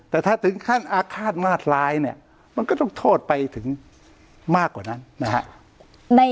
แต่ถ้าถึงขั้นอาฆาตมาดร้ายเนี่ยมันก็ต้องโทษไปถึงมากกว่านั้นนะฮะ